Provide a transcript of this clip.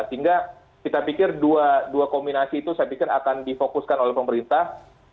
sehingga kita pikir dua kombinasi itu saya pikir akan difokuskan oleh pemerintah